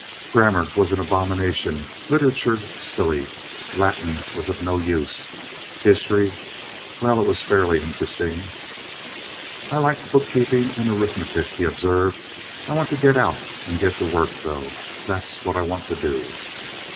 Grammar was an abomination. Literature silly. Latin was of no use. History—well, it was fairly interesting. "I like bookkeeping and arithmetic," he observed. "I want to get out and get to work, though. That's what I want to do."